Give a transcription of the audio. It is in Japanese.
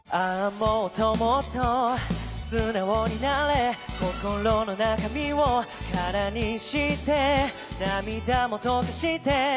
もっともっと素直になれ」「心の中身を空にして」「涙も溶かして」